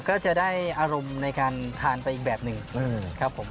ก็จะได้อารมณ์ในการทานไปอีกแบบหนึ่งครับผม